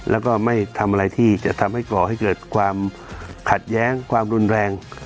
แล้วก็ไม่ทำอะไรที่จะทำให้ก่อให้เกิดความขัดแย้งความรุนแรง